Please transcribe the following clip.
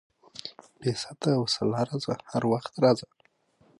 بې ست وسلا راځه، هر وخت راځه.